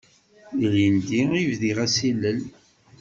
Ilindi i bdiɣ asilel.